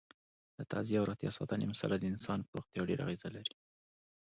د تغذیې او روغتیا ساتنې مساله د انسان په روغتیا ډېره اغیزه لري.